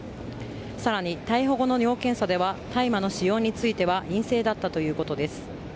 更に逮捕後の尿検査では大麻の使用については陰性だったということです。